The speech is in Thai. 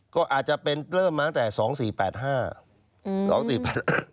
ก็อาจจะเป็นเริ่มมาตั้งแต่๒๔๘๕